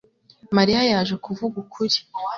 mariya yaje kuvuga ukuri